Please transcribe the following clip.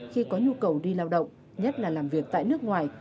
khi có nhu cầu đi lao động nhất là làm việc tại nước ngoài